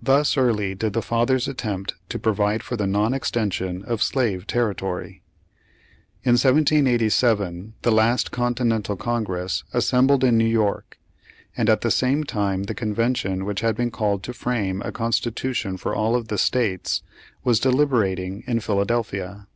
Thus early did the fathers attempt to provide for the non extension of slave territory. In 1787 the last Continental Congress assembled in Nev/ York, and at the same time the convention which had been called to frame a constitution for all of the states, was deliberating in Philadelphia.